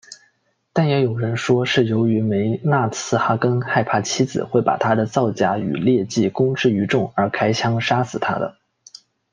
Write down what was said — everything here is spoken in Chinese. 但也有人说是由于梅纳茨哈根害怕妻子会把他的造假与劣迹公之于众而开枪杀死她的。